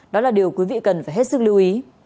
đó là điều quý vị cần phải hết sức lưu ý